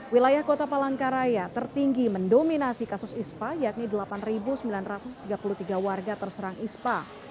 wilayah kota palangkaraya tertinggi mendominasi kasus ispa yakni delapan sembilan ratus tiga puluh tiga warga terserang ispa